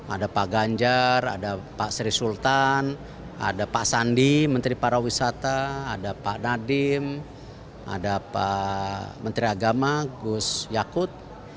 ada pak ganjar ada pak sri sultan ada pak sandi menteri para wisata ada pak nadiem ada pak menteri agama gus yakut